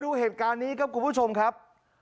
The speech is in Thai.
ดูเหตุการณ์นี้ครับคุณผู้ชมครับ